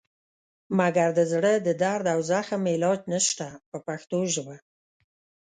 مګر د زړه د درد او زخم علاج نشته په پښتو ژبه.